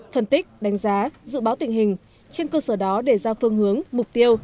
phân tích đánh giá dự báo tình hình trên cơ sở đó để ra phương hướng mục tiêu